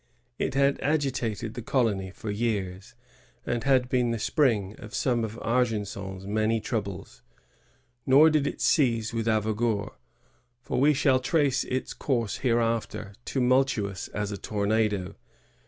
It had agi tated the colony for years, and had been the spring of some of Argenson^s many troubles* Nor did it cease with Avaugour, for we shall trace its oouise hereafter, tumultuous as a tornado.